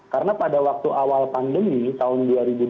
karena pada waktu awal pandemi tahun dua ribu dua puluh